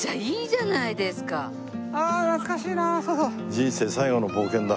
人生最後の冒険だ。